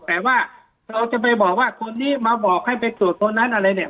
แต่ว่าเราจะไปบอกว่าคนนี้มาบอกให้ไปตรวจคนนั้นอะไรเนี่ย